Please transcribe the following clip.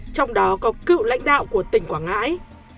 trong đó có cựu lãnh đạo của tỉnh quảng ngãi